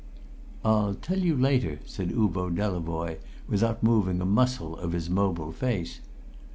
"I'll tell you later," said Uvo Delavoye, without moving a muscle of his mobile face.